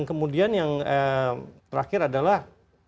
kemudian yang terakhir adalah